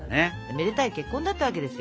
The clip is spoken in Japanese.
めでたい結婚だったわけですよ。